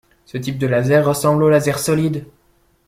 Ce type de laser ressemble au laser solide.